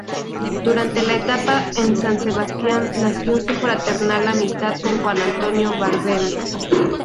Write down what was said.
Durante la etapa en San Sebastián nació su fraternal amistad con Juan Antonio Bardem.